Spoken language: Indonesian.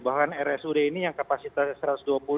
bahkan rsud ini yang kapasitasnya satu ratus dua puluh